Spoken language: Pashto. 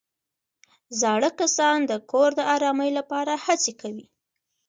زاړه کسان د کور د ارامۍ لپاره هڅې کوي